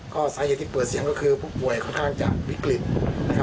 ก็ใส่อย่างที่เปิดเสียงคือผู้ป่วยค่อนข้างจะวิกฤทธิ์